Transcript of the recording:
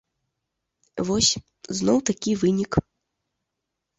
Вось, зноў такі вынік.